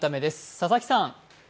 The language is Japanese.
佐々木さん。